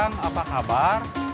hei kang ujam apa kabar